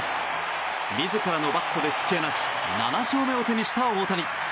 自らのバットで突き放し７勝目を手にした大谷。